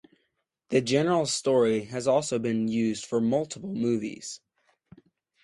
The general story has also been used for multiple movies.